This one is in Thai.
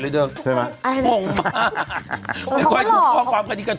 บอกว่าคนสกายกลับอยู่กับโบร์ชันไคร